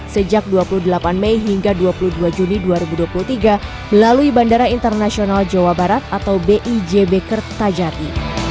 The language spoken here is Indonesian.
sejak dua puluh delapan mei hingga dua puluh dua juni dua ribu dua puluh tiga melalui bandara internasional jawa barat atau bijb kertajati